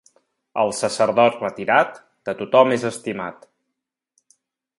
El sacerdot retirat, de tothom és estimat.